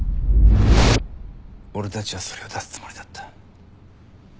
俺たちはそれを出すつもりだった。